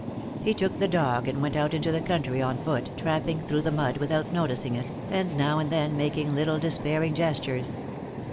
He took the dog and went out into the country on foot, tramping through the mud without noticing it, and now and then making little despairing gestures.